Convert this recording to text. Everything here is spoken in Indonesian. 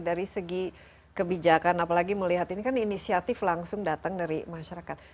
dari segi kebijakan apalagi melihat ini kan inisiatif langsung datang dari masyarakat